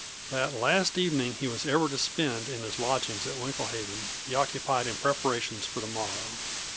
That last evening he was ever to spend in his lodgings at Winklehaven he occupied in preparations for the morrow.